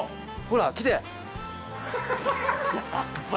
ほら来て！